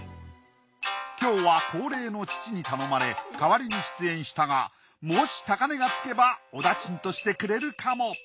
今日は高齢の父に頼まれ代わりに出演したがもし高値がつけばお駄賃としてくれるかも。